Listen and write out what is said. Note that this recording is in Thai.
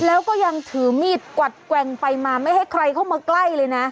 แล้วก็ยังถือมีดกวัดแกว่งไปมาไม่ให้ใครเข้ามาใกล้เลยนะ